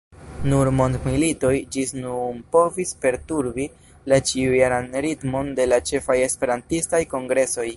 Nur mondmilitoj ĝis nun povis perturbi la ĉiujaran ritmon de la ĉefaj esperantistaj kongresoj.